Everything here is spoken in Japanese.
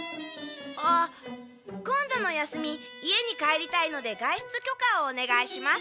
あっ今度の休み家に帰りたいので外出許可をおねがいします。